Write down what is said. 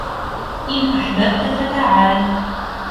إن أحببت ، فتعال!